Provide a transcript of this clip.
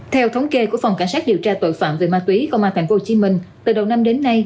theo thống kê của phòng cảnh sát điều tra tội phạm về ma túy công an tp hcm từ đầu năm đến nay